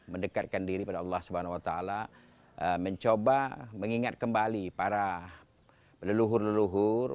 mendekatkan diri pada allah swt mencoba mengingat kembali para leluhur leluhur